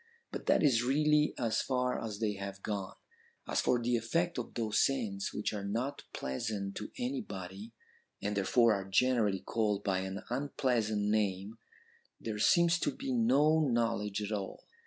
But that is really as far as they have gone. As for the effect of those scents which are not pleasant to anybody, and therefore are generally called by an unpleasant name, there seems to be no knowledge at all.'